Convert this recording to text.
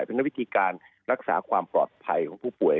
เป็นวิธีการรักษาความปลอดภัยของผู้ป่วย